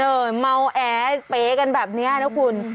เมาแอเป๋กันแบบนี้นะคุณ